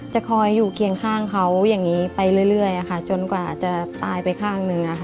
จะคอยอยู่เคียงข้างเขาอย่างนี้ไปเรื่อยจนกว่าจะตายไปข้างหนึ่ง